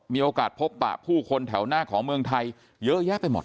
มีโอกาสพบปะผู้คนแถวหน้าของเมืองไทยเยอะแยะไปหมด